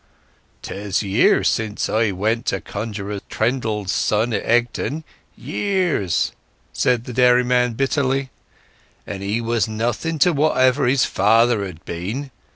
"'Tis years since I went to Conjuror Trendle's son in Egdon—years!" said the dairyman bitterly. "And he was nothing to what his father had been.